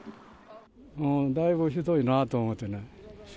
もうだいぶひどいなと思ってね。